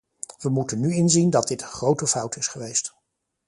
We moeten nu inzien dat dit een grote fout is geweest.